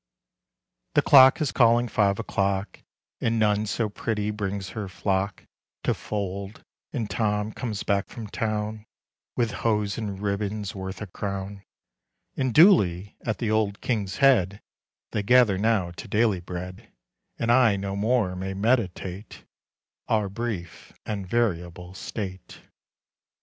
The clock is calling five o'clock, And Nonesopretty brings her flock To fold, and Tom comes back from town With hose and ribbons worth a crown, And duly at The Old King's Head They gather now to daily bread, And I no more may meditate Our brief and variable state.